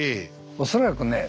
恐らくね